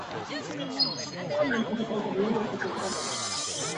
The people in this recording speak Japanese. ラーメン食べたいけど夜遅くは我慢